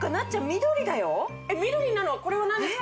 緑なのはこれは何です？